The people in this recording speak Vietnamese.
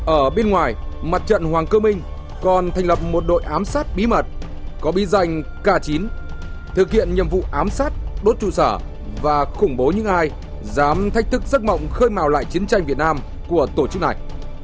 ở bên ngoài mặt trận hoàng cơ minh còn thành lập một đội ám sát bí mật có bí danh k chín thực hiện nhiệm vụ ám sát đốt trụ sở và khủng bố những ai dám thách thức rất mỏng khơi màu lại chiến tranh việt nam của tổ chức này